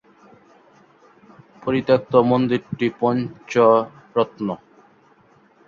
পরিত্যক্ত মন্দিরটি পঞ্চরত্ন।